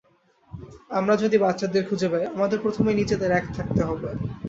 আমরা যদি বাচ্চাদের খুঁজে পাই, আমাদের প্রথমে নিজেদের এক থাকতে হবে।